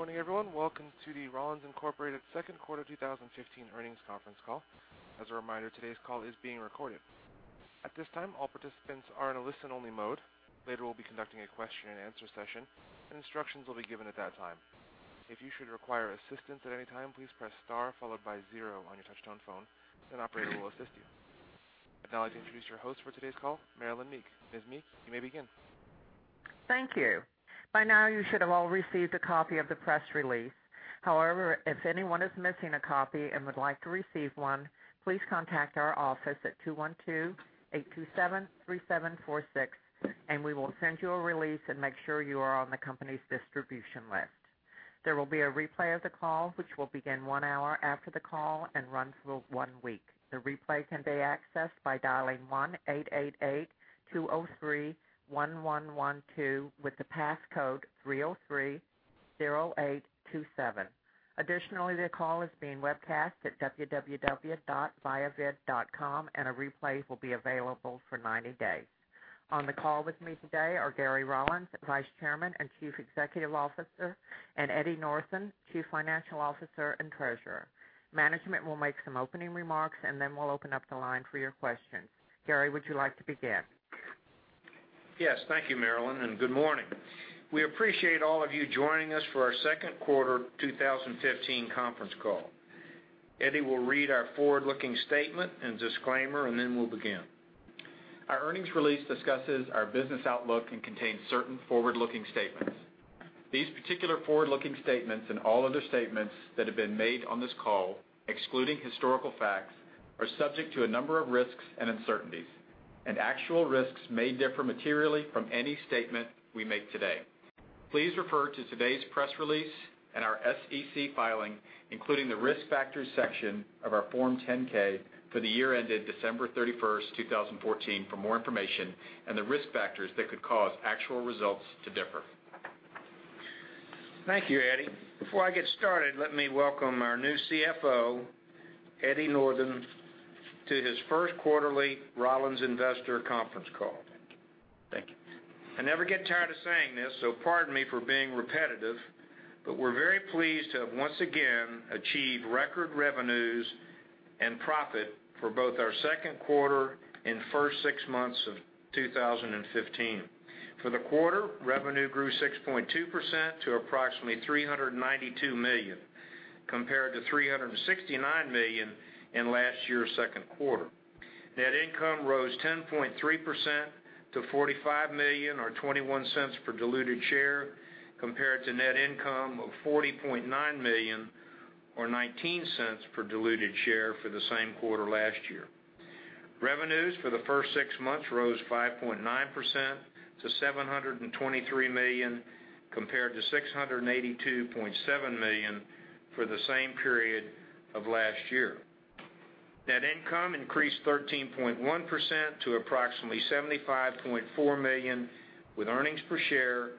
Good morning, everyone. Welcome to the Rollins, Inc. second quarter 2015 earnings conference call. As a reminder, today's call is being recorded. At this time, all participants are in a listen-only mode. Later, we'll be conducting a question-and-answer session, and instructions will be given at that time. If you should require assistance at any time, please press star followed by zero on your touch-tone phone, and an operator will assist you. I'd now like to introduce your host for today's call, Marilynn Meek. Ms. Meek, you may begin. Thank you. By now, you should have all received a copy of the press release. If anyone is missing a copy and would like to receive one, please contact our office at 212-827-3746. We will send you a release and make sure you are on the company's distribution list. There will be a replay of the call, which will begin one hour after the call and run for one week. The replay can be accessed by dialing 1-888-203-1112 with the passcode 3030827. Additionally, the call is being webcast at www.viavid.com, and a replay will be available for 90 days. On the call with me today are Gary Rollins, Vice Chairman and Chief Executive Officer, and Eddie Northen, Chief Financial Officer and Treasurer. Management will make some opening remarks. Then we'll open up the line for your questions. Gary, would you like to begin? Yes. Thank you, Marilynn. Good morning. We appreciate all of you joining us for our second quarter 2015 conference call. Eddie will read our forward-looking statement and disclaimer. Then we'll begin. Our earnings release discusses our business outlook and contains certain forward-looking statements. These particular forward-looking statements and all other statements that have been made on this call, excluding historical facts, are subject to a number of risks and uncertainties. Actual risks may differ materially from any statement we make today. Please refer to today's press release and our SEC filing, including the Risk Factors section of our Form 10-K for the year ended December 31st, 2014, for more information and the risk factors that could cause actual results to differ. Thank you, Eddie. Before I get started, let me welcome our new CFO, Eddie Northen, to his first quarterly Rollins investor conference call. Thank you. I never get tired of saying this, pardon me for being repetitive, but we're very pleased to have once again achieved record revenues and profit for both our second quarter and first six months of 2015. For the quarter, revenue grew 6.2% to approximately $392 million, compared to $369 million in last year's second quarter. Net income rose 10.3% to $45 million, or $0.21 per diluted share, compared to net income of $40.9 million or $0.19 per diluted share for the same quarter last year. Revenues for the first six months rose 5.9% to $723 million, compared to $682.7 million for the same period of last year. Net income increased 13.1% to approximately $75.4 million, with earnings per share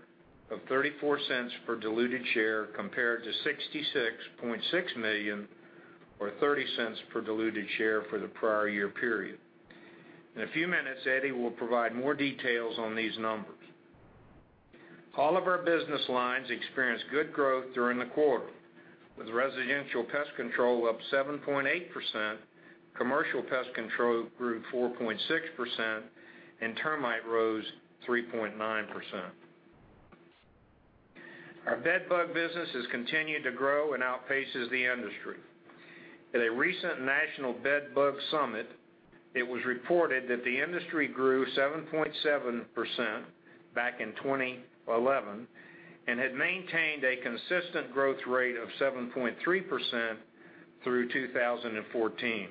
of $0.34 per diluted share compared to $66.6 million or $0.30 per diluted share for the prior year period. In a few minutes, Eddie will provide more details on these numbers. All of our business lines experienced good growth during the quarter, with residential pest control up 7.8%, commercial pest control grew 4.6%, and termite rose 3.9%. Our bed bug business has continued to grow and outpaces the industry. At a recent national bed bug summit, it was reported that the industry grew 7.7% back in 2011 and had maintained a consistent growth rate of 7.3% through 2014.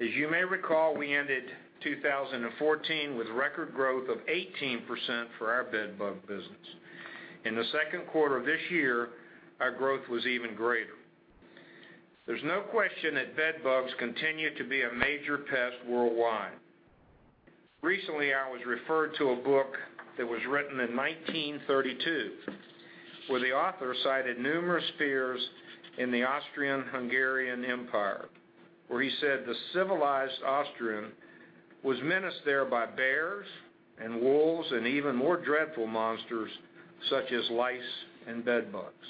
As you may recall, we ended 2014 with record growth of 18% for our bed bug business. In the second quarter of this year, our growth was even greater. There's no question that bed bugs continue to be a major pest worldwide. Recently, I was referred to a book that was written in 1932, where the author cited numerous fears in the Austro-Hungarian Empire, where he said the civilized Austrian was menaced there by bears and wolves and even more dreadful monsters such as lice and bed bugs.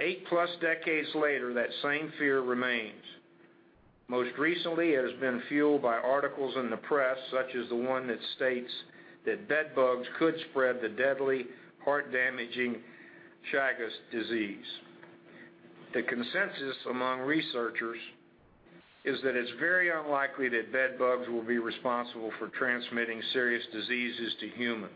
8-plus decades later, that same fear remains. Most recently, it has been fueled by articles in the press, such as the one that states that bed bugs could spread the deadly heart-damaging Chagas disease. The consensus among researchers is that it's very unlikely that bed bugs will be responsible for transmitting serious diseases to humans.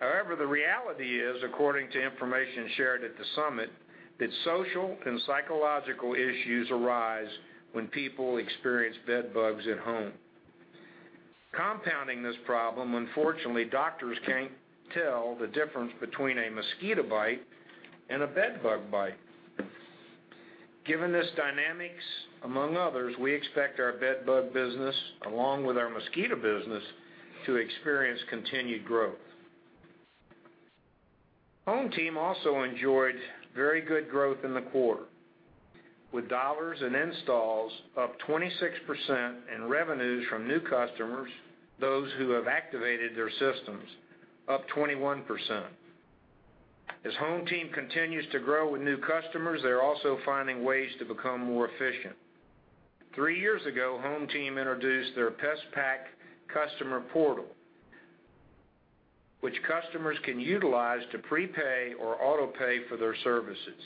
However, the reality is, according to information shared at the summit, that social and psychological issues arise when people experience bed bugs at home. Compounding this problem, unfortunately, doctors can't tell the difference between a mosquito bite and a bed bug bite. Given these dynamics, among others, we expect our bed bug business, along with our mosquito business, to experience continued growth. HomeTeam also enjoyed very good growth in the quarter. With dollars and installs up 26% and revenues from new customers, those who have activated their systems, up 21%. As HomeTeam continues to grow with new customers, they're also finding ways to become more efficient. 3 years ago, HomeTeam introduced their PestPac customer portal, which customers can utilize to prepay or autopay for their services.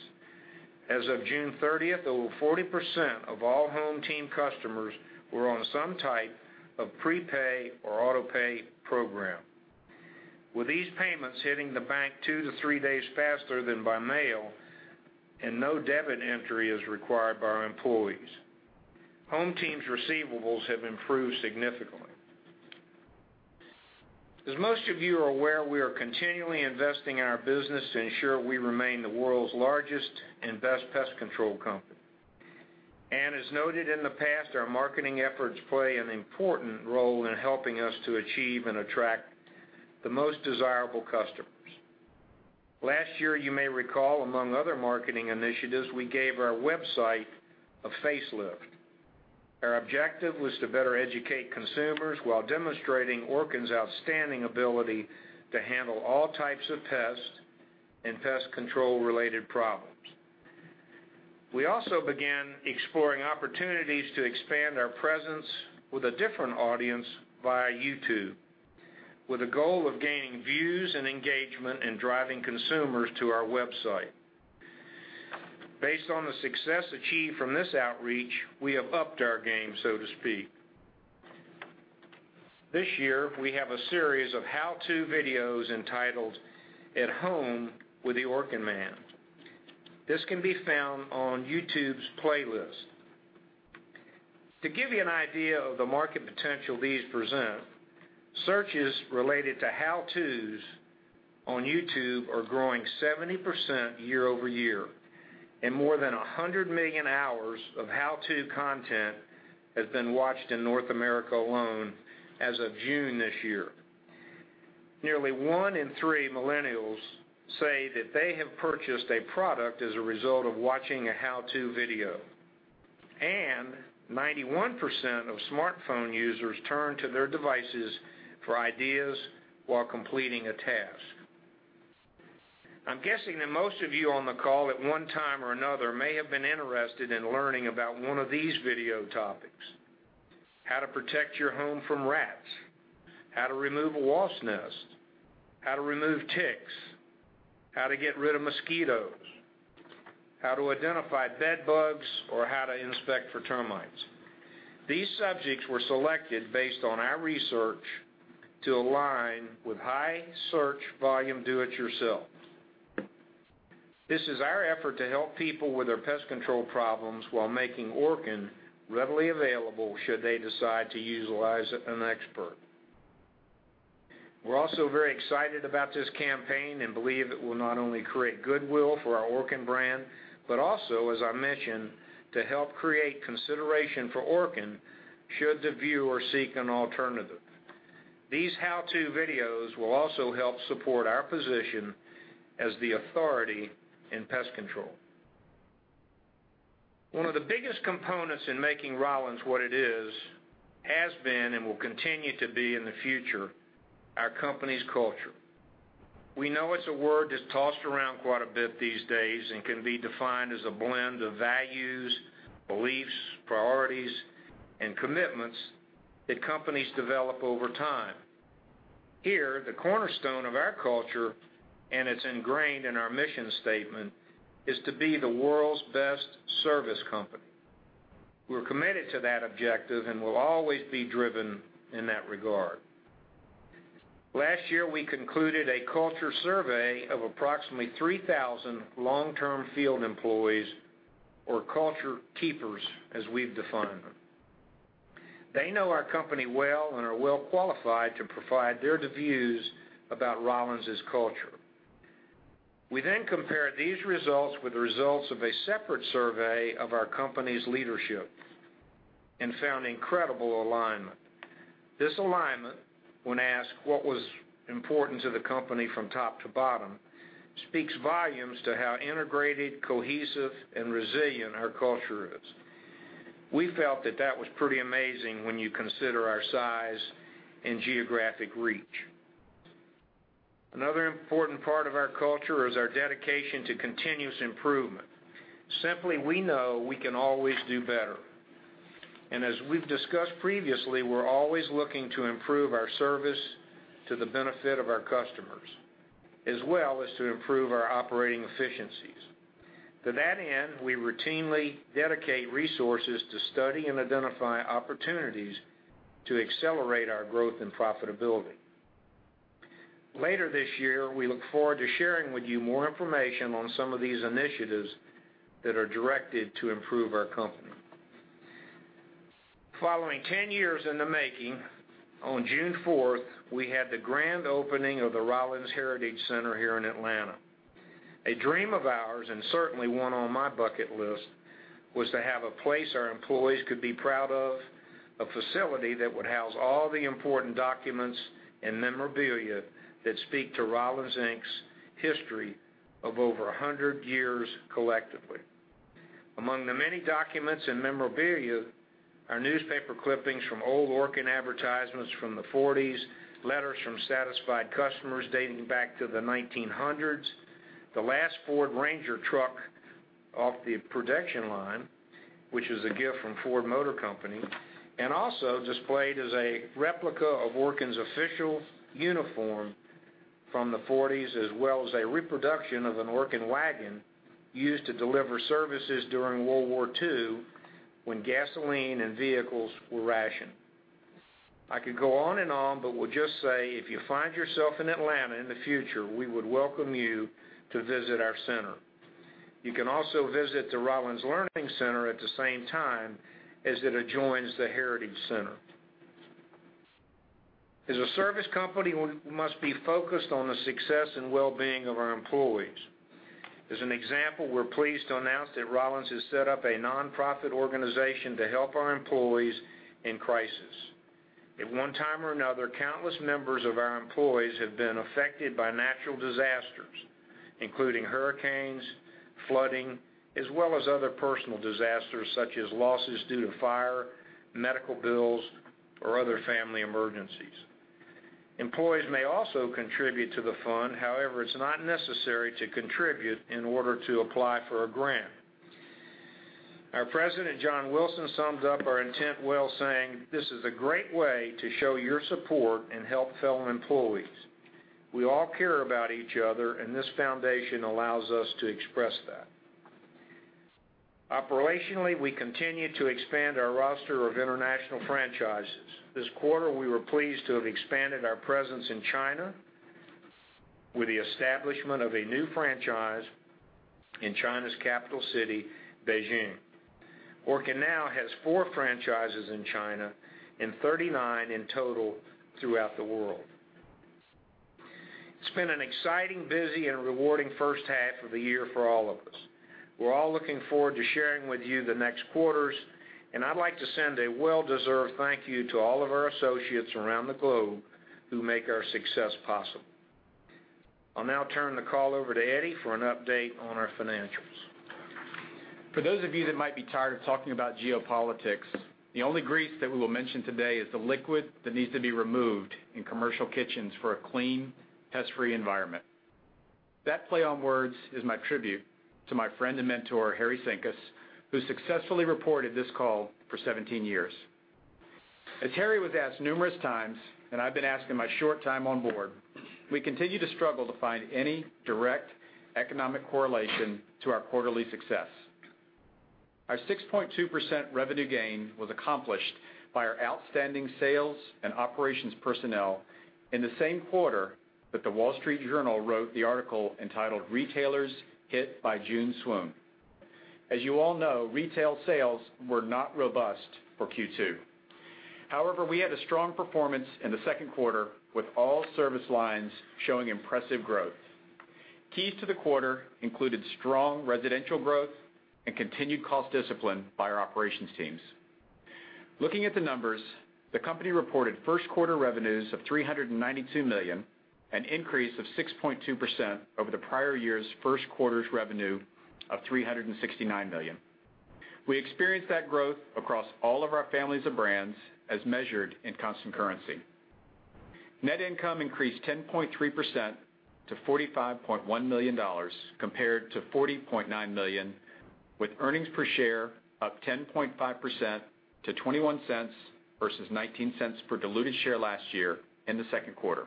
As of June 30th, over 40% of all HomeTeam customers were on some type of prepay or autopay program. With these payments hitting the bank two to three days faster than by mail and no debit entry is required by our employees, HomeTeam's receivables have improved significantly. As most of you are aware, we are continually investing in our business to ensure we remain the world's largest and best pest control company. As noted in the past, our marketing efforts play an important role in helping us to achieve and attract the most desirable customers. Last year, you may recall, among other marketing initiatives, we gave our website a facelift. Our objective was to better educate consumers while demonstrating Orkin's outstanding ability to handle all types of pest and pest control-related problems. We also began exploring opportunities to expand our presence with a different audience via YouTube, with a goal of gaining views and engagement and driving consumers to our website. Based on the success achieved from this outreach, we have upped our game, so to speak. This year, we have a series of how-to videos entitled "At Home with the Orkin Man." This can be found on YouTube's playlist. To give you an idea of the market potential these present, searches related to how-tos on YouTube are growing 70% year-over-year, and more than 100 million hours of how-to content has been watched in North America alone as of June this year. Nearly one in three millennials say that they have purchased a product as a result of watching a how-to video, and 91% of smartphone users turn to their devices for ideas while completing a task. I'm guessing that most of you on the call at one time or another may have been interested in learning about one of these video topics. How to protect your home from rats, how to remove a wasp nest, how to remove ticks, how to get rid of mosquitoes, how to identify bedbugs, or how to inspect for termites. These subjects were selected based on our research to align with high-search-volume do-it-yourself. This is our effort to help people with their pest control problems while making Orkin readily available should they decide to utilize an expert. We're also very excited about this campaign and believe it will not only create goodwill for our Orkin brand, but also, as I mentioned, to help create consideration for Orkin should the viewer seek an alternative. These how-to videos will also help support our position as the authority in pest control. One of the biggest components in making Rollins what it is, has been, and will continue to be in the future, our company's culture. We know it's a word that's tossed around quite a bit these days and can be defined as a blend of values, beliefs, priorities, and commitments that companies develop over time. Here, the cornerstone of our culture, and it's ingrained in our mission statement, is to be the world's best service company. We're committed to that objective and will always be driven in that regard. Last year, we concluded a culture survey of approximately 3,000 long-term field employees or culture keepers, as we've defined them. They know our company well and are well-qualified to provide their views about Rollins' culture. We then compared these results with the results of a separate survey of our company's leadership and found incredible alignment. This alignment, when asked what was important to the company from top to bottom, speaks volumes to how integrated, cohesive, and resilient our culture is. We felt that that was pretty amazing when you consider our size and geographic reach. Another important part of our culture is our dedication to continuous improvement. As we've discussed previously, we're always looking to improve our service to the benefit of our customers, as well as to improve our operating efficiencies. To that end, we routinely dedicate resources to study and identify opportunities to accelerate our growth and profitability. Later this year, we look forward to sharing with you more information on some of these initiatives that are directed to improve our company. Following 10 years in the making, on June 4th, we had the grand opening of the Rollins Heritage Center here in Atlanta. A dream of ours, and certainly one on my bucket list, was to have a place our employees could be proud of. A facility that would house all the important documents and memorabilia that speak to Rollins, Inc.'s history of over 100 years collectively. Among the many documents and memorabilia are newspaper clippings from old Orkin advertisements from the '40s, letters from satisfied customers dating back to the 1900s, the last Ford Ranger truck off the production line, which is a gift from Ford Motor Company, and also displayed is a replica of Orkin's official uniform from the '40s, as well as a reproduction of an Orkin wagon used to deliver services during World War II when gasoline and vehicles were rationed. I could go on and on, will just say, if you find yourself in Atlanta in the future, we would welcome you to visit our center. You can also visit the Rollins Learning Center at the same time, as it adjoins the Heritage Center. As a service company, we must be focused on the success and well-being of our employees. As an example, we're pleased to announce that Rollins has set up a nonprofit organization to help our employees in crisis. At one time or another, countless members of our employees have been affected by natural disasters, including hurricanes, flooding, as well as other personal disasters such as losses due to fire, medical bills, or other family emergencies. Employees may also contribute to the fund. However, it's not necessary to contribute in order to apply for a grant. Our President, John Wilson, summed up our intent well saying, "This is a great way to show your support and help fellow employees. We all care about each other, and this foundation allows us to express that." Operationally, we continue to expand our roster of international franchises. This quarter, we were pleased to have expanded our presence in China with the establishment of a new franchise in China's capital city, Beijing. Orkin now has four franchises in China and 39 in total throughout the world. It's been an exciting, busy, and rewarding first half of the year for all of us. We're all looking forward to sharing with you the next quarters, and I'd like to send a well-deserved thank you to all of our associates around the globe who make our success possible. I'll now turn the call over to Eddie for an update on our financials. For those of you that might be tired of talking about geopolitics, the only grease that we will mention today is the liquid that needs to be removed in commercial kitchens for a clean, pest-free environment. That play on words is my tribute to my friend and mentor, Harry Cynkus, who successfully reported this call for 17 years. As Harry was asked numerous times, and I've been asked in my short time on board, we continue to struggle to find any direct economic correlation to our quarterly success. Our 6.2% revenue gain was accomplished by our outstanding sales and operations personnel in the same quarter that The Wall Street Journal wrote the article entitled "Retailers Hit by June Swoon." As you all know, retail sales were not robust for Q2. However, we had a strong performance in the second quarter with all service lines showing impressive growth. Keys to the quarter included strong residential growth and continued cost discipline by our operations teams. Looking at the numbers, the company reported first quarter revenues of $392 million, an increase of 6.2% over the prior year's first quarter's revenue of $369 million. We experienced that growth across all of our families of brands as measured in constant currency. Net income increased 10.3% to $45.1 million compared to $40.9 million, with earnings per share up 10.5% to $0.21 versus $0.19 per diluted share last year in the second quarter.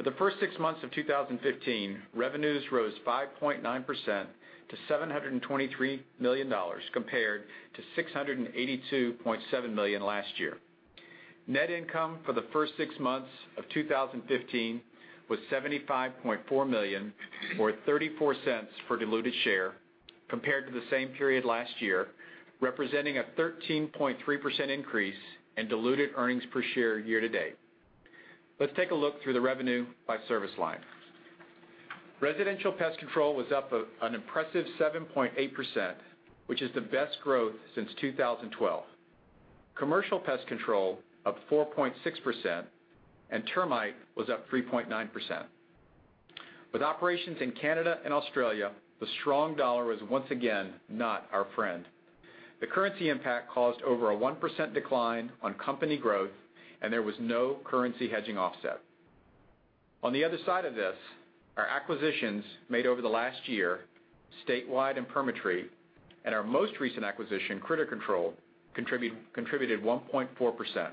For the first six months of 2015, revenues rose 5.9% to $723 million compared to $682.7 million last year. Net income for the first six months of 2015 was $75.4 million or $0.34 per diluted share compared to the same period last year, representing a 13.3% increase in diluted earnings per share year to date. Let's take a look through the revenue by service line. Residential pest control was up an impressive 7.8%, which is the best growth since 2012. Commercial pest control up 4.6%, termite was up 3.9%. With operations in Canada and Australia, the strong dollar was once again not our friend. The currency impact caused over a 1% decline on company growth, there was no currency hedging offset. On the other side of this, our acquisitions made over the last year, Statewide and PermaTreat, and our most recent acquisition, Critter Control, contributed 1.4%.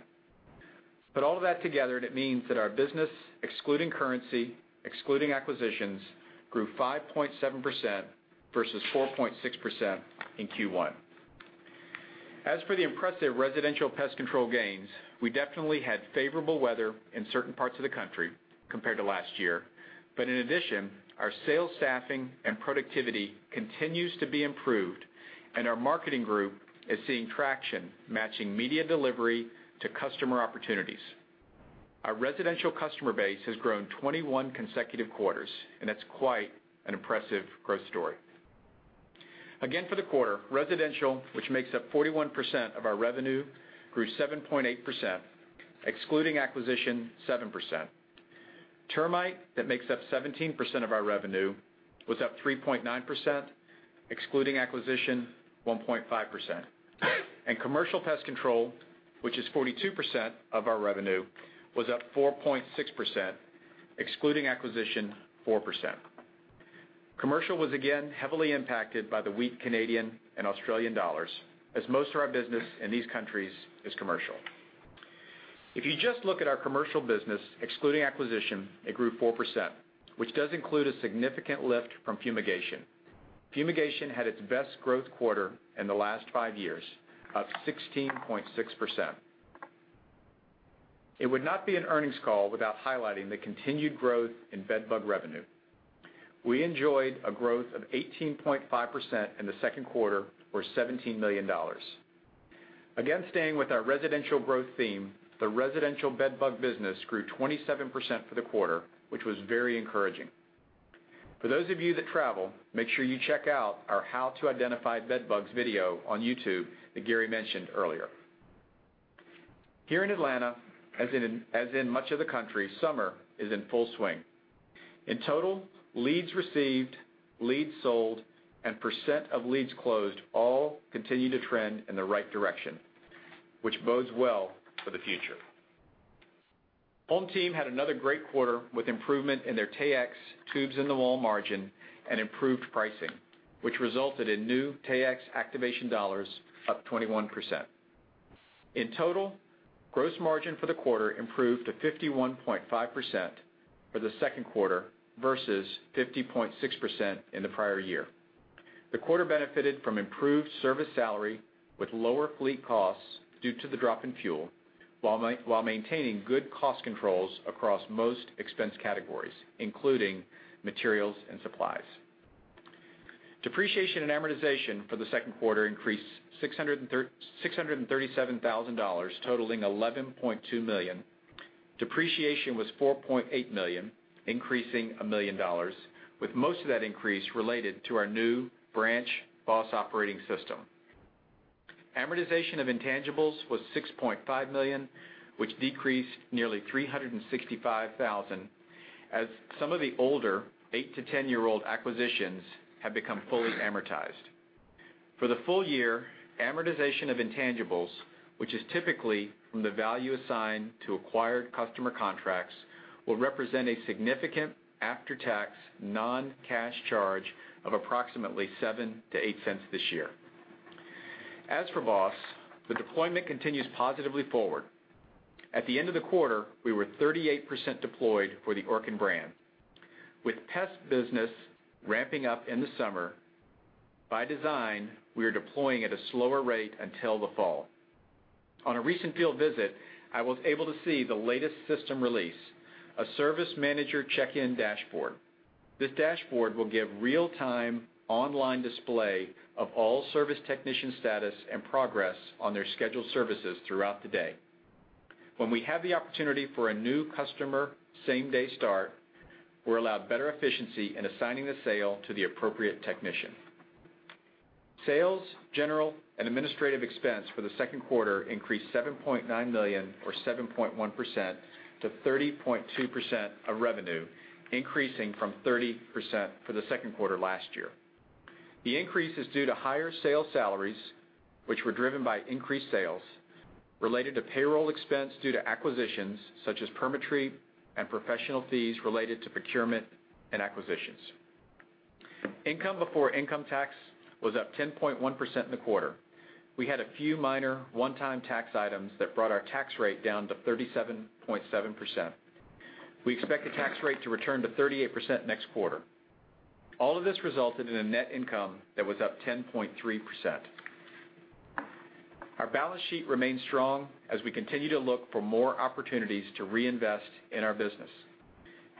Put all of that together, it means that our business, excluding currency, excluding acquisitions, grew 5.7% versus 4.6% in Q1. As for the impressive residential pest control gains, we definitely had favorable weather in certain parts of the country compared to last year. In addition, our sales staffing and productivity continues to be improved, and our marketing group is seeing traction, matching media delivery to customer opportunities. Our residential customer base has grown 21 consecutive quarters, that's quite an impressive growth story. Again for the quarter, residential, which makes up 41% of our revenue, grew 7.8%, excluding acquisition, 7%. Termite, that makes up 17% of our revenue, was up 3.9%, excluding acquisition, 1.5%. Commercial pest control, which is 42% of our revenue, was up 4.6%, excluding acquisition, 4%. Commercial was again heavily impacted by the weak Canadian and Australian dollars, as most of our business in these countries is commercial. If you just look at our commercial business, excluding acquisition, it grew 4%, which does include a significant lift from fumigation. Fumigation had its best growth quarter in the last five years, up 16.6%. It would not be an earnings call without highlighting the continued growth in bed bug revenue. We enjoyed a growth of 18.5% in the second quarter, or $17 million. Again, staying with our residential growth theme, the residential bed bug business grew 27% for the quarter, which was very encouraging. For those of you that travel, make sure you check out our How to Identify Bed Bugs video on YouTube that Gary mentioned earlier. Here in Atlanta, as in much of the country, summer is in full swing. In total, leads received, leads sold, and percent of leads closed all continue to trend in the right direction, which bodes well for the future. HomeTeam had another great quarter with improvement in their Taexx tubes in the wall margin and improved pricing, which resulted in new Taexx activation dollars up 21%. In total, gross margin for the quarter improved to 51.5% for the second quarter versus 50.6% in the prior year. The quarter benefited from improved service salary with lower fleet costs due to the drop in fuel, while maintaining good cost controls across most expense categories, including materials and supplies. Depreciation and amortization for the second quarter increased $637,000, totaling $11.2 million. Depreciation was $4.8 million, increasing $1 million, with most of that increase related to our new branch BOSS operating system. Amortization of intangibles was $6.5 million, which decreased nearly $365,000, as some of the older 8 to 10-year-old acquisitions have become fully amortized. For the full year, amortization of intangibles, which is typically from the value assigned to acquired customer contracts, will represent a significant after-tax non-cash charge of approximately $0.07-$0.08 this year. As for BOSS, the deployment continues positively forward. At the end of the quarter, we were 38% deployed for the Orkin brand. With pest business ramping up in the summer, by design, we are deploying at a slower rate until the fall. On a recent field visit, I was able to see the latest system release, a service manager check-in dashboard. This dashboard will give real-time online display of all service technician status and progress on their scheduled services throughout the day. When we have the opportunity for a new customer same-day start, we're allowed better efficiency in assigning the sale to the appropriate technician. Sales, general, and administrative expense for the second quarter increased $7.9 million or 7.1% to 30.2% of revenue, increasing from 30% for the second quarter last year. The increase is due to higher sales salaries, which were driven by increased sales related to payroll expense due to acquisitions such as PermaTreat and professional fees related to procurement and acquisitions. Income before income tax was up 10.1% in the quarter. We had a few minor one-time tax items that brought our tax rate down to 37.7%. We expect the tax rate to return to 38% next quarter. All of this resulted in a net income that was up 10.3%. Our balance sheet remains strong as we continue to look for more opportunities to reinvest in our business.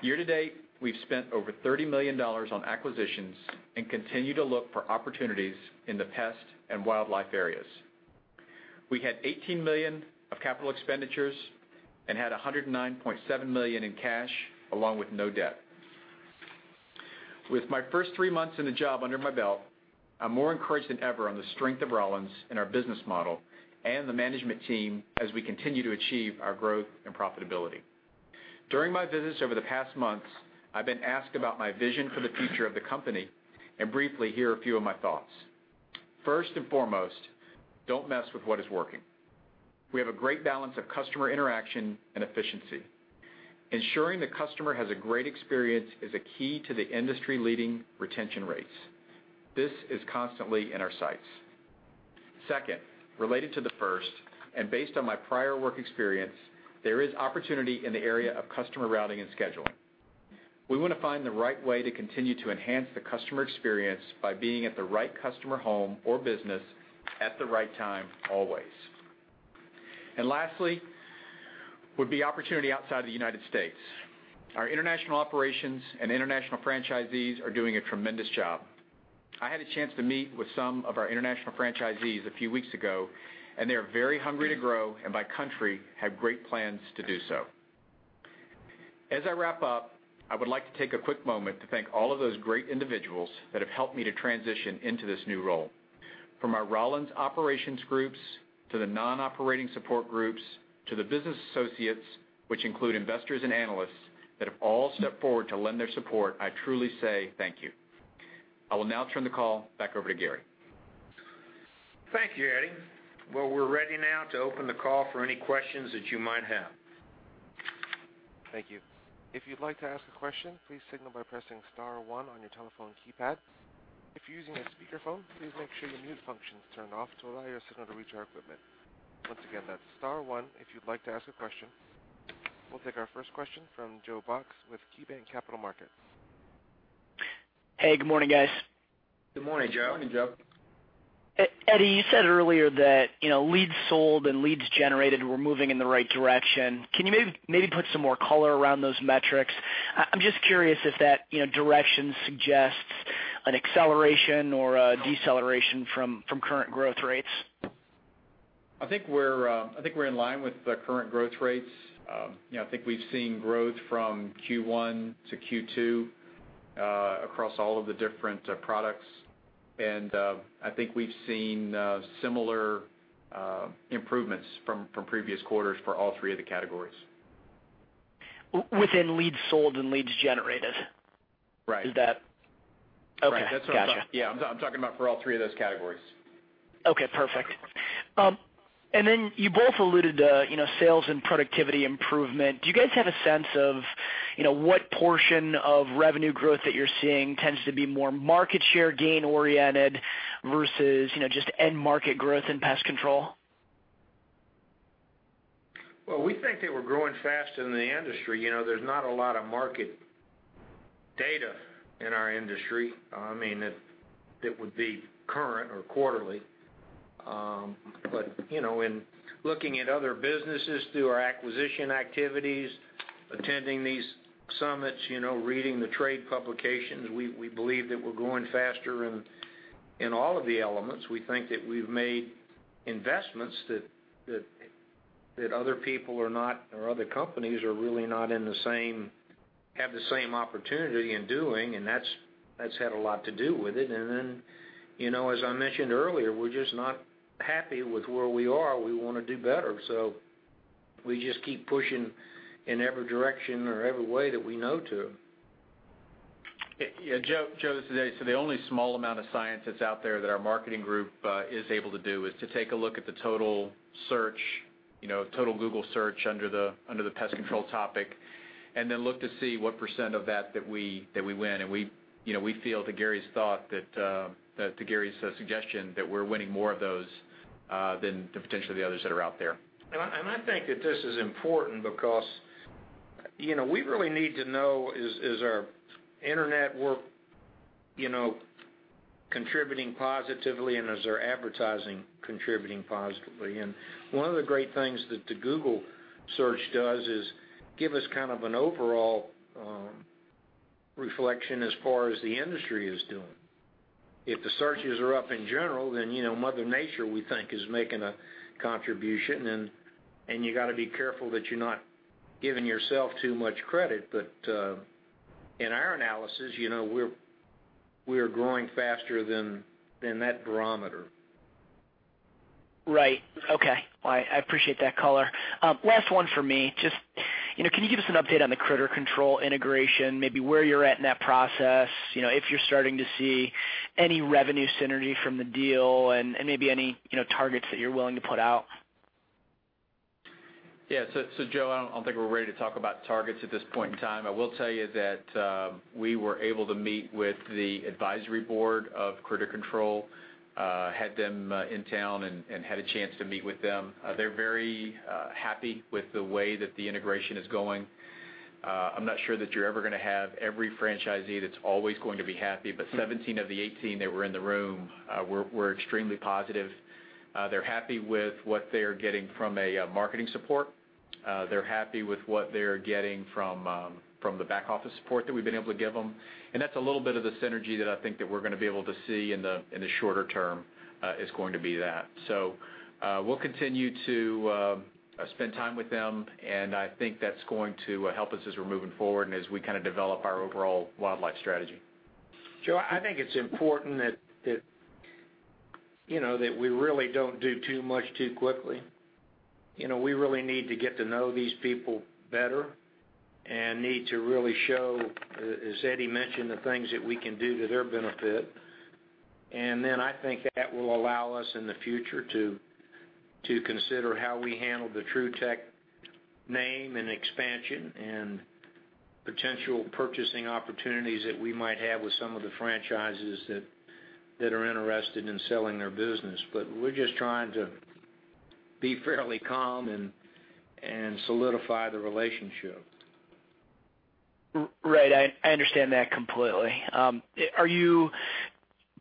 Year to date, we've spent over $30 million on acquisitions and continue to look for opportunities in the pest and wildlife areas. We had $18 million of capital expenditures and had $109.7 million in cash along with no debt. With my first three months in the job under my belt, I'm more encouraged than ever on the strength of Rollins and our business model and the management team as we continue to achieve our growth and profitability. During my visits over the past months, I've been asked about my vision for the future of the company, and briefly, here are a few of my thoughts. First and foremost, don't mess with what is working. We have a great balance of customer interaction and efficiency. Ensuring the customer has a great experience is a key to the industry-leading retention rates. This is constantly in our sights. Second, related to the first, and based on my prior work experience, there is opportunity in the area of customer routing and scheduling. We want to find the right way to continue to enhance the customer experience by being at the right customer home or business at the right time always. Lastly would be opportunity outside the U.S. Our international operations and international franchisees are doing a tremendous job. I had a chance to meet with some of our international franchisees a few weeks ago, and they are very hungry to grow, and by country, have great plans to do so. As I wrap up, I would like to take a quick moment to thank all of those great individuals that have helped me to transition into this new role. From our Rollins operations groups, to the non-operating support groups, to the business associates, which include investors and analysts that have all stepped forward to lend their support, I truly say thank you. I will now turn the call back over to Gary. Thank you, Eddie. Well, we're ready now to open the call for any questions that you might have. Thank you. If you'd like to ask a question, please signal by pressing star one on your telephone keypads. If you're using a speakerphone, please make sure your mute function is turned off to allow your signal to reach our equipment. Once again, that's star one, if you'd like to ask a question. We'll take our first question from Joe Box with KeyBank Capital Markets. Hey, good morning, guys. Good morning, Joe. Morning, Joe. Eddie, you said earlier that leads sold and leads generated were moving in the right direction. Can you maybe put some more color around those metrics? I'm just curious if that direction suggests an acceleration or a deceleration from current growth rates. I think we're in line with the current growth rates. I think we've seen growth from Q1 to Q2 across all of the different products. I think we've seen similar improvements from previous quarters for all three of the categories. Within leads sold and leads generated? Right. Okay. Right. Got you. Yeah. I'm talking about for all three of those categories. Okay, perfect. Then you both alluded to sales and productivity improvement. Do you guys have a sense of what portion of revenue growth that you're seeing tends to be more market share gain-oriented versus just end market growth in pest control? Well, we think that we're growing faster than the industry. There's not a lot of market data in our industry that would be current or quarterly. In looking at other businesses through our acquisition activities, attending these summits, reading the trade publications, we believe that we're growing faster in all of the elements. We think that we've made investments that other people or other companies are really not have the same opportunity in doing, and that's had a lot to do with it. As I mentioned earlier, we're just not happy with where we are. We want to do better. We just keep pushing in every direction or every way that we know to. Yeah, Joe, the only small amount of science that's out there that our marketing group is able to do is to take a look at the total Google Search under the pest control topic, then look to see what % of that that we win, and we feel to Gary's suggestion, that we're winning more of those than potentially the others that are out there. I think that this is important because we really need to know is our internet work contributing positively, and is our advertising contributing positively. One of the great things that the Google Search does is give us kind of an overall reflection as far as the industry is doing. If the searches are up in general, Mother Nature, we think, is making a contribution. You got to be careful that you're not giving yourself too much credit. In our analysis, we are growing faster than that barometer. Right. Okay. I appreciate that color. Last one for me. Can you give us an update on the Critter Control integration, maybe where you're at in that process, if you're starting to see any revenue synergy from the deal and maybe any targets that you're willing to put out? Yeah. Joe, I don't think we're ready to talk about targets at this point in time. I will tell you that we were able to meet with the advisory board of Critter Control, had them in town and had a chance to meet with them. They're very happy with the way that the integration is going. I'm not sure that you're ever going to have every franchisee that's always going to be happy. 17 of the 18 that were in the room were extremely positive. They're happy with what they're getting from a marketing support. They're happy with what they're getting from the back office support that we've been able to give them. That's a little bit of the synergy that I think that we're going to be able to see in the shorter term is going to be that. We'll continue to spend time with them, I think that's going to help us as we're moving forward and as we kind of develop our overall wildlife strategy. Joe, I think it's important that we really don't do too much too quickly. We really need to get to know these people better and need to really show, as Eddie mentioned, the things that we can do to their benefit. I think that will allow us in the future to consider how we handle the Trutech name and expansion and potential purchasing opportunities that we might have with some of the franchises that are interested in selling their business. We're just trying to be fairly calm and solidify the relationship. Right. I understand that completely. Are you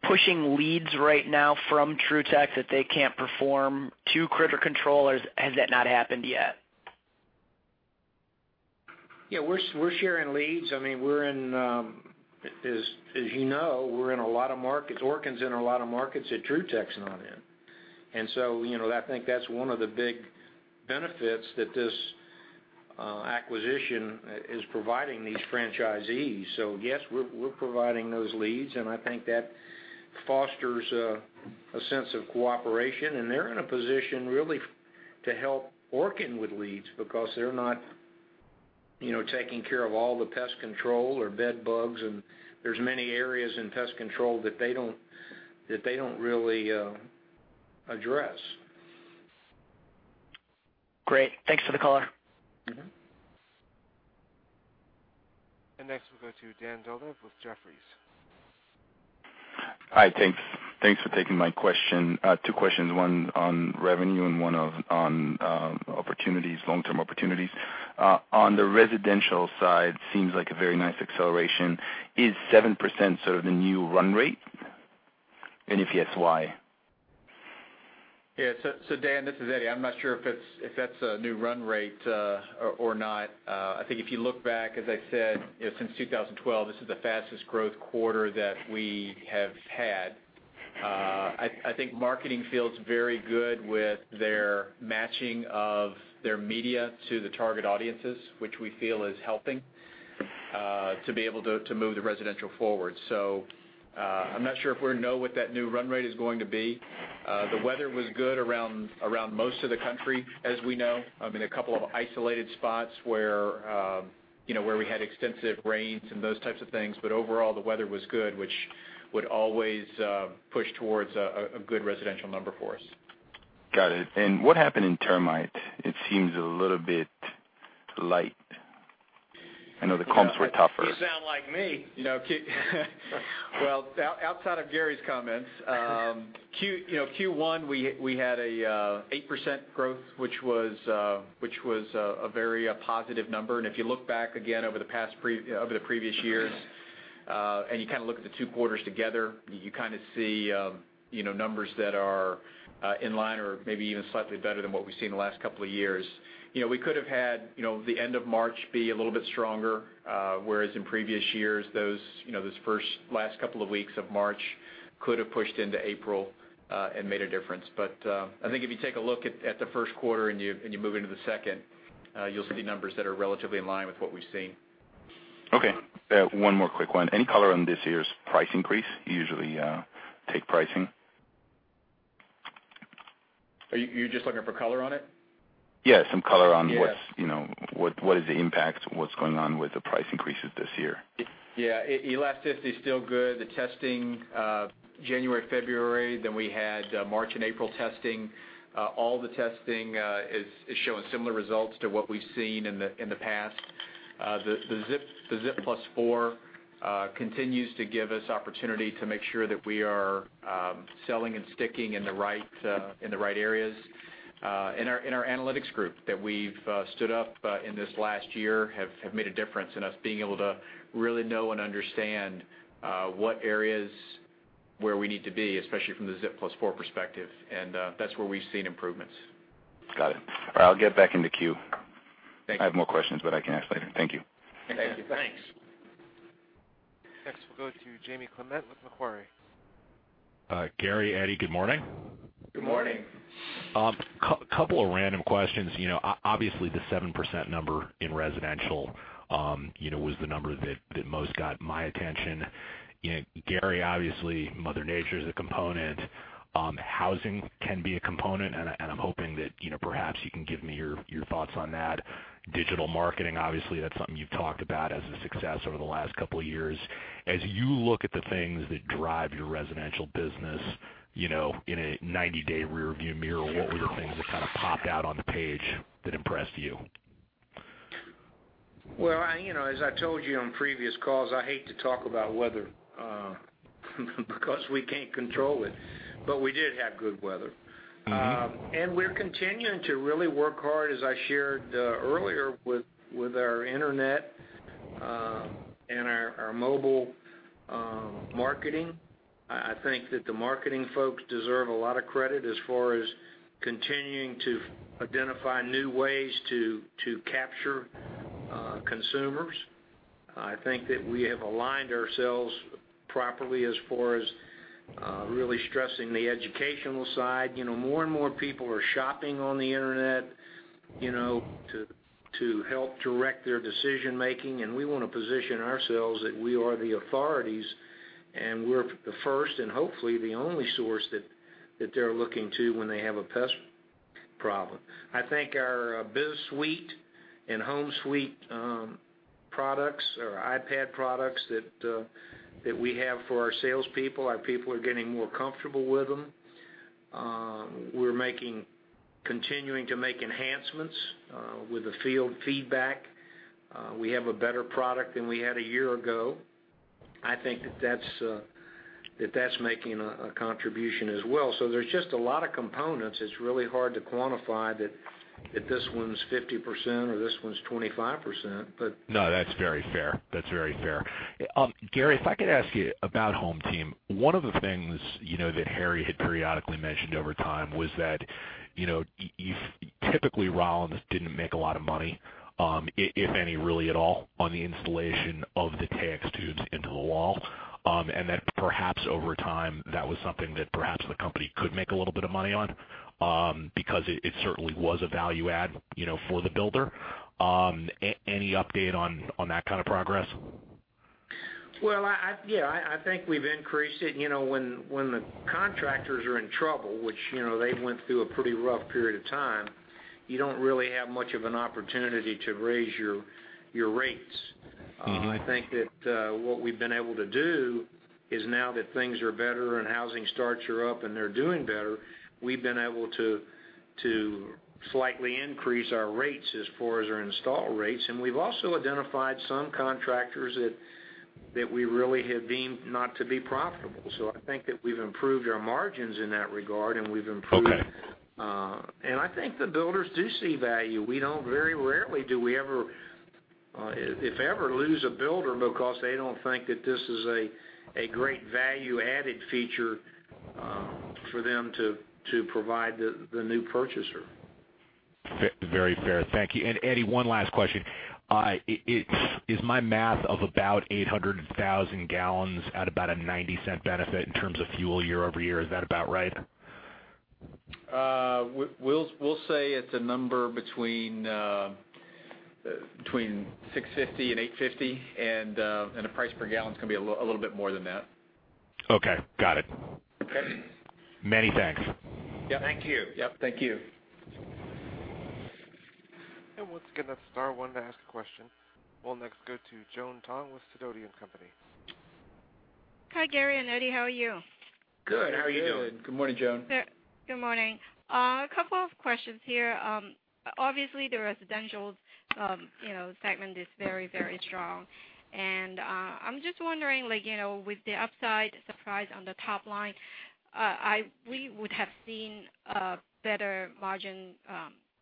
pushing leads right now from Trutech that they can't perform to Critter Control, or has that not happened yet? Yeah, we're sharing leads. As you know, we're in a lot of markets. Orkin's in a lot of markets that Trutech's not in. I think that's one of the big benefits that this acquisition is providing these franchisees. Yes, we're providing those leads, and I think that fosters a sense of cooperation, and they're in a position really to help Orkin with leads because they're not taking care of all the pest control or bed bugs, and there's many areas in pest control that they don't really address. Great. Thanks for the color. Next, we'll go to Dan Dolev with Jefferies. Hi, thanks for taking my question. Two questions, one on revenue and one on long-term opportunities. On the residential side, seems like a very nice acceleration. Is 7% sort of the new run rate? If yes, why? Yeah. Dan, this is Eddie. I'm not sure if that's a new run rate or not. I think if you look back, as I said, since 2012, this is the fastest growth quarter that we have had. I think marketing feels very good with their matching of their media to the target audiences, which we feel is helping to be able to move the residential forward. I'm not sure if we know what that new run rate is going to be. The weather was good around most of the country, as we know. A couple of isolated spots where we had extensive rains and those types of things, but overall, the weather was good, which would always push towards a good residential number for us. Got it. What happened in termite? It seems a little bit light. I know the comps were tougher. You sound like me. Well, outside of Gary's comments, Q1, we had an 8% growth, which was a very positive number, and if you look back again over the previous years, and you kind of look at the two quarters together, you kind of see numbers that are in line or maybe even slightly better than what we've seen in the last couple of years. We could've had the end of March be a little bit stronger, whereas in previous years, those last couple of weeks of March could've pushed into April and made a difference. I think if you take a look at the first quarter and you move into the second, you'll see numbers that are relatively in line with what we've seen. Okay. One more quick one. Any color on this year's price increase? You usually take pricing. Are you just looking for color on it? Yeah, some color on what is the impact, what's going on with the price increases this year? Yeah. Elasticity is still good. The testing, January, February, then we had March and April testing. All the testing is showing similar results to what we've seen in the past. The ZIP+4 continues to give us opportunity to make sure that we are selling and sticking in the right areas. Our analytics group that we've stood up in this last year have made a difference in us being able to really know and understand what areas where we need to be, especially from the ZIP+4 perspective. That's where we've seen improvements. Got it. All right, I'll get back in the queue. Thank you. I have more questions, but I can ask later. Thank you. Thank you. Thanks. Next, we'll go to Jamie Clement with Macquarie. Gary, Eddie, good morning. Good morning. Good morning. Couple of random questions. Obviously, the 7% number in residential was the number that most got my attention. Gary, obviously, Mother Nature is a component. Housing can be a component, and I'm hoping that perhaps you can give me your thoughts on that. Digital marketing, obviously, that's something you've talked about as a success over the last couple of years. As you look at the things that drive your residential business, in a 90-day rearview mirror, what were things that kind of popped out on the page that impressed you? Well, as I told you on previous calls, I hate to talk about weather because we can't control it. We did have good weather. We're continuing to really work hard, as I shared earlier, with our internet and our mobile marketing. I think that the marketing folks deserve a lot of credit as far as continuing to identify new ways to capture consumers. I think that we have aligned ourselves properly as far as really stressing the educational side. More and more people are shopping on the internet to help direct their decision-making, and we want to position ourselves that we are the authorities, and we're the first and hopefully the only source that they're looking to when they have a pest problem. I think our BizSuite and HomeSuite products or iPad products that we have for our salespeople, our people are getting more comfortable with them. We're continuing to make enhancements with the field feedback. We have a better product than we had a year ago. I think that that's making a contribution as well. There's just a lot of components. It's really hard to quantify that this one's 50% or this one's 25%. No, that's very fair. Gary, if I could ask you about HomeTeam. One of the things that Harry had periodically mentioned over time was that, typically Rollins didn't make a lot of money, if any, really at all, on the installation of the Taexx tubes into the wall. That perhaps over time, that was something that perhaps the company could make a little bit of money on, because it certainly was a value add for the builder. Any update on that kind of progress? Well, yeah. I think we've increased it. When the contractors are in trouble, which they went through a pretty rough period of time, you don't really have much of an opportunity to raise your rates. I think that what we've been able to do is now that things are better and housing starts are up and they're doing better, we've been able to slightly increase our rates as far as our install rates. We've also identified some contractors that we really have deemed not to be profitable. I think that we've improved our margins in that regard. Okay I think the builders do see value. Very rarely do we ever, if ever, lose a builder because they don't think that this is a great value-added feature for them to provide the new purchaser. Very fair. Thank you. Eddie, one last question. Is my math of about 800,000 gallons at about a $0.90 benefit in terms of fuel year-over-year, is that about right? We'll say it's a number between 650 and 850, the price per gallon's going to be a little bit more than that. Okay. Got it. Okay. Many thanks. Yep. Thank you. Yep. Thank you. Once again, that's star one to ask a question. We'll next go to Joan Tong with Wedbush Securities & Co. Hi, Gary and Eddie. How are you? Good. How are you doing? Good. Good morning, Joan. Good morning. A couple of questions here. Obviously, the residential segment is very, very strong. I'm just wondering, with the upside surprise on the top line, we would have seen a better margin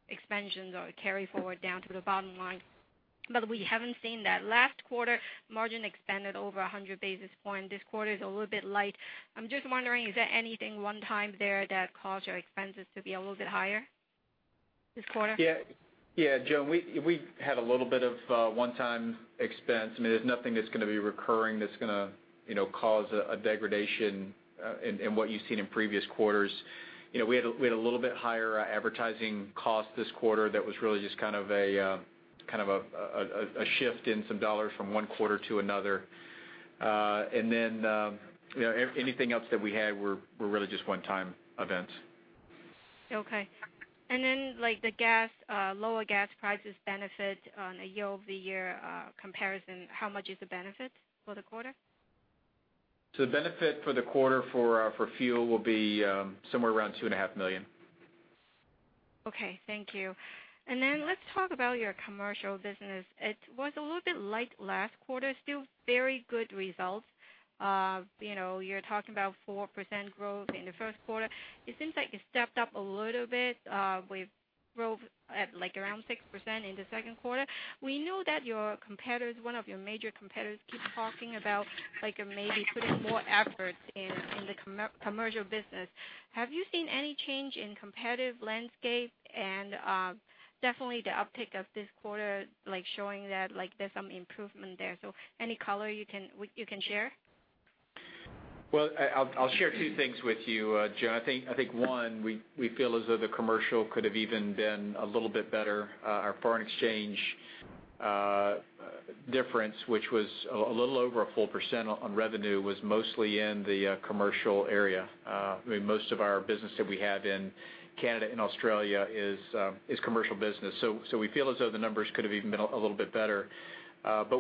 expansion or carry forward down to the bottom line, we haven't seen that. Last quarter, margin expanded over 100 basis points. This quarter is a little bit light. I'm just wondering, is there anything one-time there that caused your expenses to be a little bit higher this quarter? Yeah, Joan. We had a little bit of a one-time expense. There's nothing that's going to be recurring that's going to cause a degradation in what you've seen in previous quarters. We had a little bit higher advertising cost this quarter that was really just kind of a shift in some dollars from one quarter to another. Anything else that we had were really just one-time events. Okay. The lower gas prices benefit on a year-over-year comparison, how much is the benefit for the quarter? The benefit for the quarter for fuel will be somewhere around two and a half million. Okay. Thank you. Let's talk about your commercial business. It was a little bit light last quarter, still very good results. You're talking about 4% growth in the first quarter. It seems like you stepped up a little bit with growth at around 6% in the second quarter. We know that one of your major competitors keeps talking about maybe putting more efforts in the commercial business. Have you seen any change in competitive landscape and definitely the uptick of this quarter showing that there's some improvement there. Any color you can share? Well, I'll share two things with you, Joan. I think one, we feel as though the commercial could have even been a little bit better. Our foreign exchange difference, which was a little over a full % on revenue, was mostly in the commercial area. Most of our business that we have in Canada and Australia is commercial business. We feel as though the numbers could have even been a little bit better.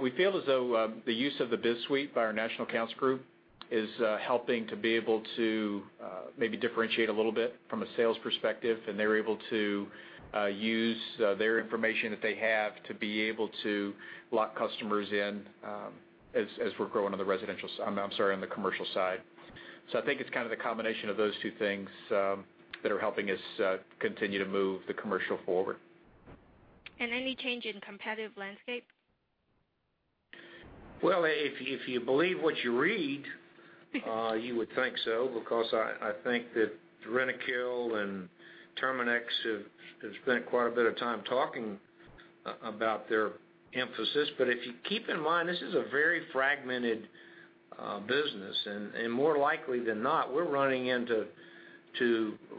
We feel as though the use of the BizSuite by our national accounts group is helping to be able to maybe differentiate a little bit from a sales perspective, and they're able to use their information that they have to be able to lock customers in as we're growing on the commercial side. I think it's kind of the combination of those two things that are helping us continue to move the commercial forward. Any change in competitive landscape? If you believe what you read, you would think so, because I think that Rentokil and Terminix have spent quite a bit of time talking about their emphasis. If you keep in mind, this is a very fragmented business, and more likely than not, we're running into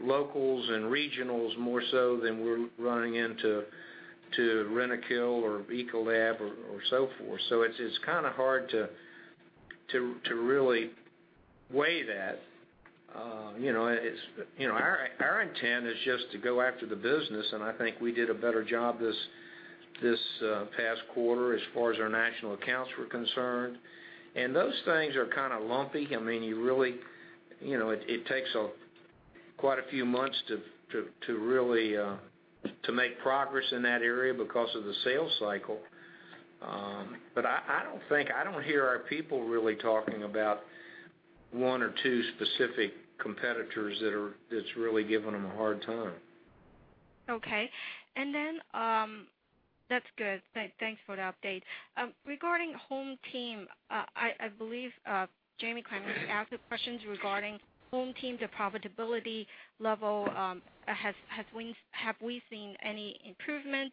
locals and regionals more so than we're running into Rentokil or Ecolab or so forth. It's kind of hard to really weigh that. Our intent is just to go after the business, and I think we did a better job this past quarter as far as our national accounts were concerned. Those things are kind of lumpy. It takes quite a few months to make progress in that area because of the sales cycle. I don't hear our people really talking about one or two specific competitors that's really giving them a hard time. That's good. Thanks for the update. Regarding HomeTeam, I believe Jamie Clement asked the questions regarding HomeTeam, the profitability level. Have we seen any improvement?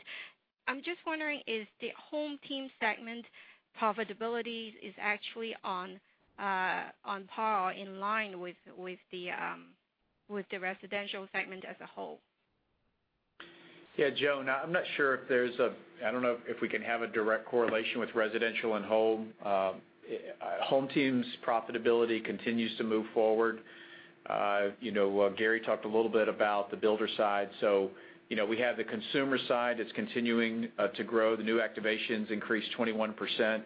I'm just wondering, is the HomeTeam segment profitability actually on par, in line with the Residential Segment as a whole? Joan, I don't know if we can have a direct correlation with Residential and Home. HomeTeam's profitability continues to move forward. Gary talked a little bit about the builder side. We have the consumer side that's continuing to grow. The new activations increased 21%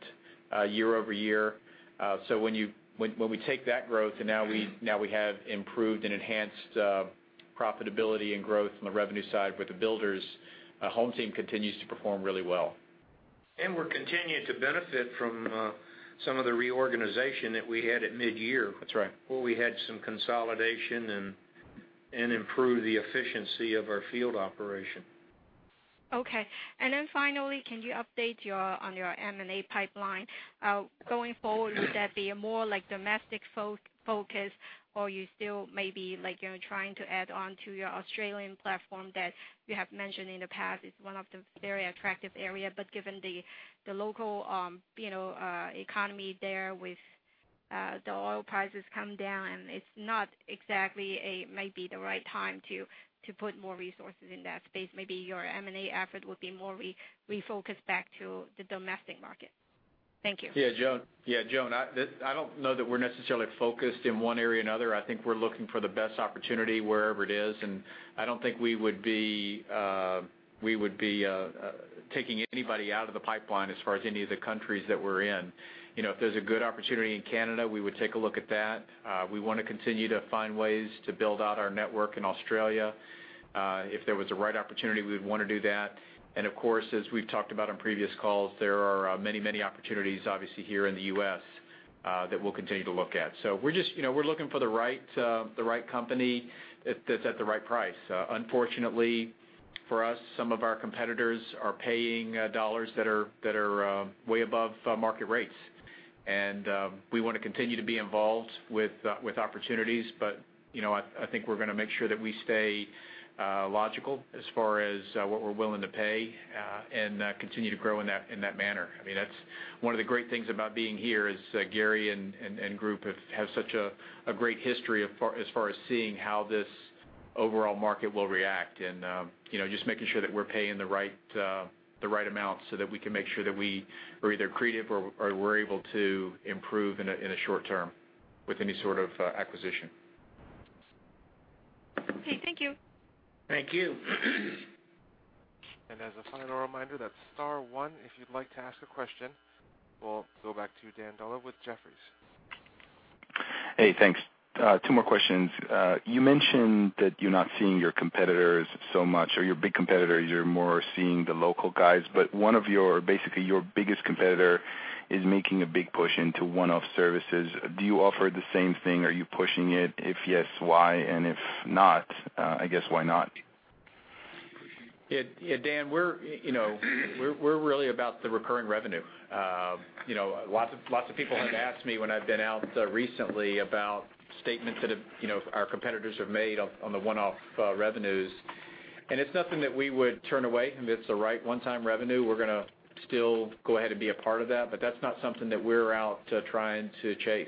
year-over-year. When we take that growth, and now we have improved and enhanced profitability and growth on the revenue side with the builders, HomeTeam continues to perform really well. We're continuing to benefit from some of the reorganization that we had at midyear. That's right. Where we had some consolidation and improved the efficiency of our field operation. Okay. Finally, can you update on your M&A pipeline? Going forward, would that be more domestic focus, or you still maybe trying to add on to your Australian platform that you have mentioned in the past is one of the very attractive area. Given the local economy there with the oil prices come down, it's not exactly maybe the right time to put more resources in that space. Maybe your M&A effort would be more refocused back to the domestic market. Thank you. Joan, I don't know that we're necessarily focused in one area or another. I think we're looking for the best opportunity wherever it is, I don't think we would be taking anybody out of the pipeline as far as any of the countries that we're in. If there's a good opportunity in Canada, we would take a look at that. We want to continue to find ways to build out our network in Australia. If there was a right opportunity, we would want to do that. Of course, as we've talked about on previous calls, there are many, many opportunities, obviously, here in the U.S. that we'll continue to look at. We're looking for the right company that's at the right price. Unfortunately for us, some of our competitors are paying dollars that are way above market rates. We want to continue to be involved with opportunities, I think we're going to make sure that we stay logical as far as what we're willing to pay and continue to grow in that manner. That's one of the great things about being here is Gary and group have such a great history as far as seeing how this overall market will react and just making sure that we're paying the right amount so that we can make sure that we're either accretive or we're able to improve in a short term with any sort of acquisition. Okay, thank you. Thank you. As a final reminder, that's star one if you'd like to ask a question. We'll go back to Dan Dolev with Jefferies. Hey, thanks. Two more questions. You mentioned that you're not seeing your competitors so much, or your big competitors, you're more seeing the local guys. One of your, basically your biggest competitor is making a big push into one-off services. Do you offer the same thing? Are you pushing it? If yes, why? If not, I guess, why not? Yeah, Dan, we're really about the recurring revenue. Lots of people have asked me when I've been out recently about statements that our competitors have made on the one-off revenues, and it's nothing that we would turn away if it's the right one-time revenue. We're going to still go ahead and be a part of that, but that's not something that we're out trying to chase.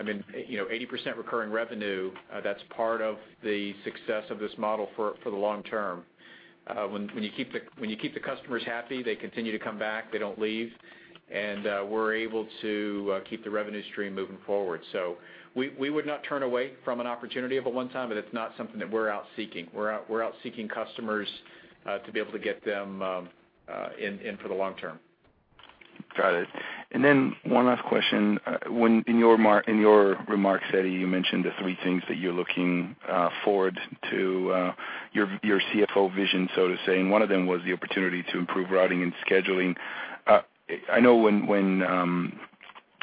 80% recurring revenue, that's part of the success of this model for the long term. When you keep the customers happy, they continue to come back, they don't leave, and we're able to keep the revenue stream moving forward. We would not turn away from an opportunity of a one-time, but it's not something that we're out seeking. We're out seeking customers to be able to get them in for the long term. Got it. One last question. In your remarks, Eddie, you mentioned the three things that you're looking forward to, your CFO vision, so to say, and one of them was the opportunity to improve routing and scheduling. I know when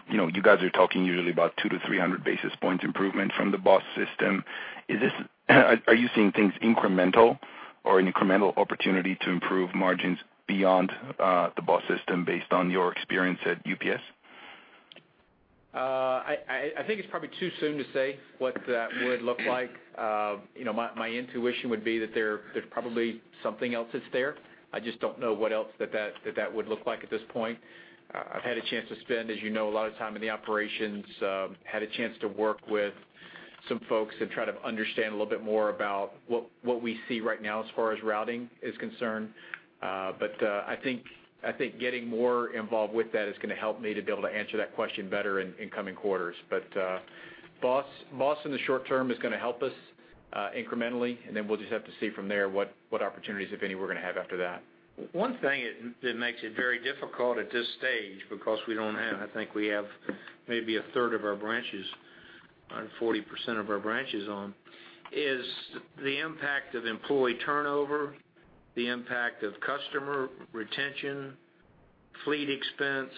you guys are talking usually about 2 to 300 basis points improvement from the BOSS system, are you seeing things incremental or an incremental opportunity to improve margins beyond the BOSS system based on your experience at UPS? I think it's probably too soon to say what that would look like. My intuition would be that there's probably something else that's there. I just don't know what else that that would look like at this point. I've had a chance to spend, as you know, a lot of time in the operations, had a chance to work with some folks and try to understand a little bit more about what we see right now as far as routing is concerned. I think getting more involved with that is going to help me to be able to answer that question better in coming quarters. BOSS in the short term is going to help us incrementally, and then we'll just have to see from there what opportunities, if any, we're going to have after that. One thing that makes it very difficult at this stage, because we don't have, I think we have maybe a third of our branches, or 40% of our branches on, is the impact of employee turnover, the impact of customer retention, fleet expense.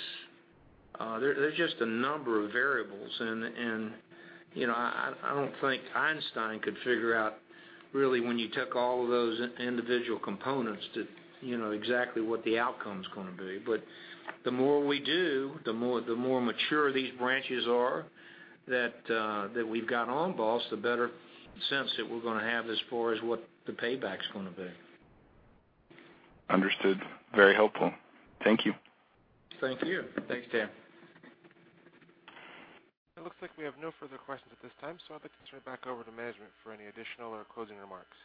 There's just a number of variables, and I don't think Einstein could figure out really when you took all of those individual components to exactly what the outcome's going to be. The more we do, the more mature these branches are that we've got on BOSS, the better sense that we're going to have as far as what the payback's going to be. Understood. Very helpful. Thank you. Thank you. Thanks, Dan. It looks like we have no further questions at this time. I'd like to turn it back over to management for any additional or closing remarks.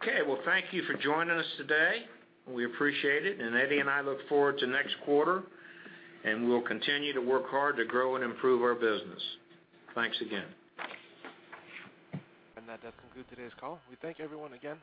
Okay. Thank you for joining us today. We appreciate it. Eddie and I look forward to next quarter. We'll continue to work hard to grow and improve our business. Thanks again. That does conclude today's call. We thank everyone again